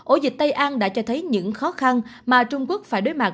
ổ dịch tây an đã cho thấy những khó khăn mà trung quốc phải đối mặt